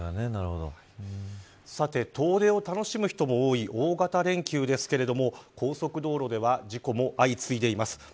遠出を楽しむ人も多い大型連休ですが高速道路では事故も相次いでいます。